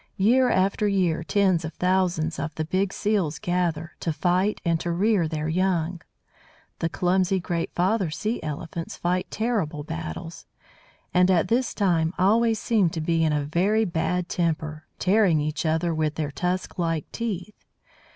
Year after year tens of thousands of the big Seals gather, to fight and to rear their young. The clumsy great father Sea elephants fight terrible battles; and at this time always seem to be in a very bad temper, tearing each other with their tusk like teeth.